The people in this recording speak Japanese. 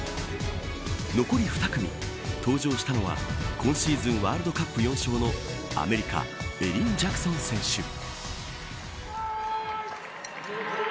残り２組登場したのは今シーズンワールドカップ４勝のアメリカエリン・ジャクソン選手。